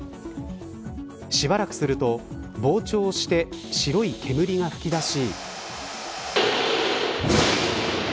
しばらくすると膨張して白い煙が噴き出し。